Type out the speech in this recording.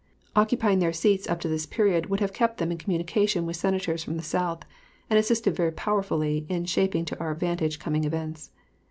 Occupying their seats up to this period would have kept them in communication with Senators from the South and assisted very powerfully in shaping to our advantage coming events.